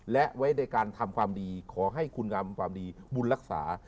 และไว้ในการทำความดีขอให้คุณทำความดีบุญรักษา